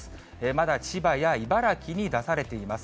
まだ千葉や茨城に出されています。